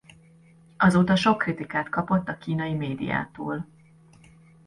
Azóta sok kritikát kapott a kínai médiától.